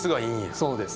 そうです。